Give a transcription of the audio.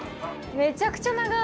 めちゃくちゃ長い。